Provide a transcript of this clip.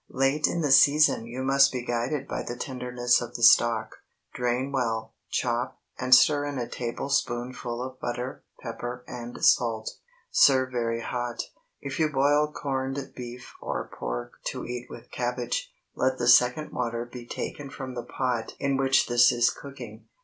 Late in the season you must be guided by the tenderness of the stalk. Drain well, chop, and stir in a tablespoonful of butter, pepper, and salt. Serve very hot. If you boil corned beef or pork to eat with cabbage, let the second water be taken from the pot in which this is cooking.